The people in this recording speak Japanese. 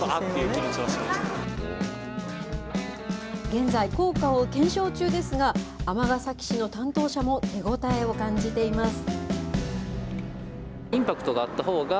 現在、効果を検証中ですが、尼崎市の担当者も手応えを感じています。